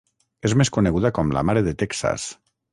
És més coneguda com la Mare de Texas.